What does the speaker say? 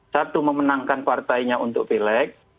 satu memenangkan partainya untuk pileg